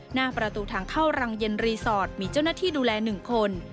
หน้าประตูทางเข้ารังเย็นรีสอร์ทมีเจ้าหน้าที่ดูแล๑คน